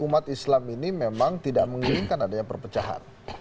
karena islam ini memang tidak menginginkan adanya perpecahan